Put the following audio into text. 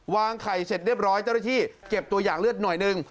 ไข่เสร็จเรียบร้อยเจ้าหน้าที่เก็บตัวอย่างเลือดหน่อยหนึ่ง